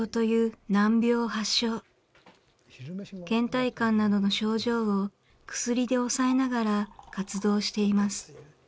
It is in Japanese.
倦怠感などの症状を薬で抑えながら活動しています。